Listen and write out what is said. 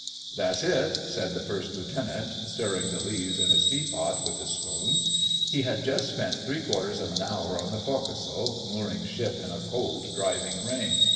"That's it," said the First Lieutenant, stirring the leaves in his tea pot with the spoon. He had just spent three quarters of an hour on the forecastle, mooring ship in a cold, driving rain.